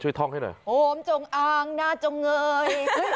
ท่องให้หน่อยโหมจงอางหน้าจงเงย